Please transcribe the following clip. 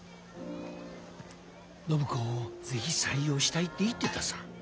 暢子を是非採用したいって言ってたさ。